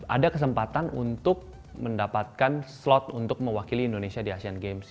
ada kesempatan untuk mendapatkan slot untuk mewakili indonesia di asean games